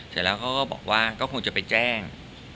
เสร็จแล้วเขาก็บอกว่าก็คงจะไปแจ้ง